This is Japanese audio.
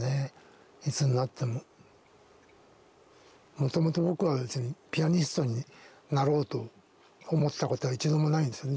もともと僕は別にピアニストになろうと思ったことは一度もないんですよね